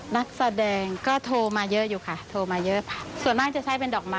นักแสดงก็โทรมาเยอะอยู่ค่ะโทรมาเยอะส่วนมากจะใช้เป็นดอกไม้